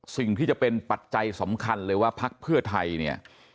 สิ่งที่จะเป็นปัจจัยสำคัญเลยว่าพักเพื่อไทยเนี่ย